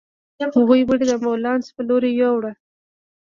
هغوی مړی د امبولانس په لورې يووړ.